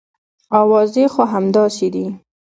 اوازې خو همداسې دي.